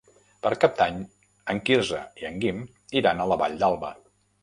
Per Cap d'Any en Quirze i en Guim iran a la Vall d'Alba.